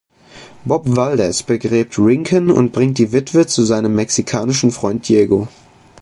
Bob Valdez begräbt Rincon und bringt die Witwe zu seinem mexikanischen Freund Diego.